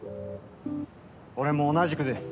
俺も同じくです。